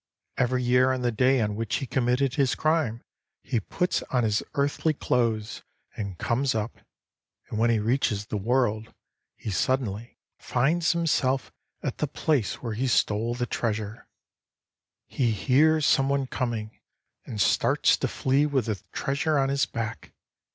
"Every year on the day on which he committed his crime, he puts on his earthly clothes and comes up. And when he reaches the world, he suddenly finds himself at the place where he stole the treasure. "He hears some one coming, and starts to flee with the treasure on his back.